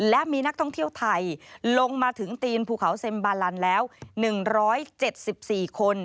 และมีนักท่องเที่ยวไทยลงมาถึงตีนภูเขาเซ็มบาลันแล้ว๑๗๔คน